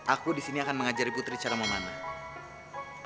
aku di sini akan mengajari putri cara memanah